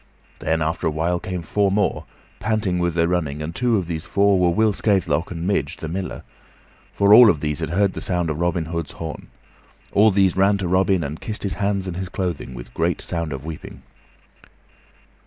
Then, after a while, came four more, panting with their running, and two of these four were Will Scathelock and Midge, the Miller; for all of these had heard the sound of Robin Hood's horn. All these ran to Robin and kissed his hands and his clothing, with great sound of weeping.